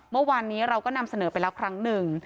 เมื่อวานนี้เราก็นำเสนอไปแล้วครั้งหนึ่ง